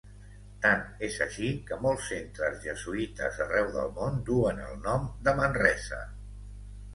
Tant és així que molts centres jesuïtes arreu del món duen el nom de Manresa.